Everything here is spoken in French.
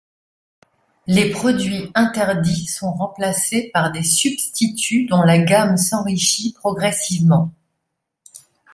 Les produits interdits sont remplacés par des substituts dont la gamme s'enrichit progressivement.